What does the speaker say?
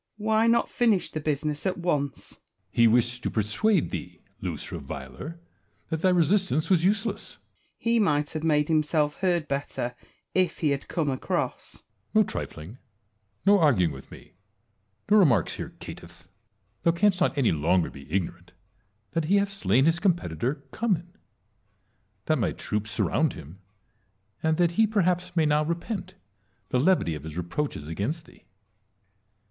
Why not finish the business at once ? Edvjard. He wished to persuade thee, loose reviler, that thy resistance was useless. Wallace. He might have made himself heard better if he had come across. Edtvard. No trifling ; no arguing with me ; no remarks here, caitiflf! Thou canst not any longer be ignorant that he hath slain his competitor, Cummin; that my troops surround hira ; and that he perhaps may now repent the levity of his reproaches against thee.